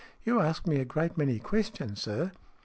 You ask me a great many questions, sir."